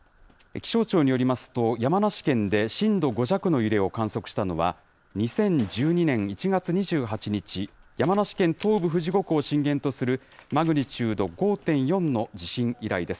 気象庁によりますと、山梨県で震度５弱の揺れを観測したのは２０１２年１月２８日、山梨県東部富士五湖を震源とするマグニチュード５．４の地震以来です。